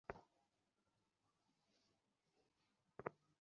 আমিই ওরে দুবার ওয়ার্নিং দিয়েছি।